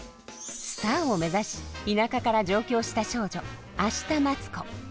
スターを目指し田舎から上京した少女明日待子。